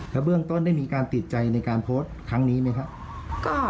แล้วเบื้องต้นได้มีการติดใจในการโพสต์ครั้งนี้ไหมครับ